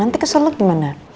nanti kesel lu gimana